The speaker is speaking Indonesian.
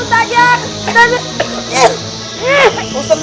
ustadz ya allah ustadz